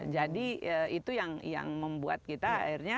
jadi itu yang membuat kita akhirnya